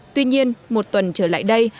tuy nhiên một tuần trở lại đây